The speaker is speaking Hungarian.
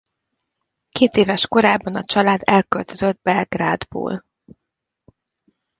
Kétéves korában a család elköltözött Belgrádból.